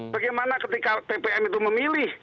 bagaimana ketika tpm itu memilih